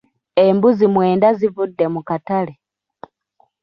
Embuzi mwenda zivudde mu katale.